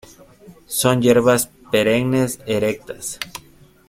Son hierbas perennes, erectas.